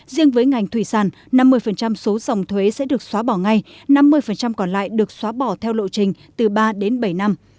riêng với ngành thủy sản năm mươi số dòng thuế sẽ được xóa bỏ ngay năm mươi còn lại được xóa bỏ theo lộ trình từ ba đến bảy năm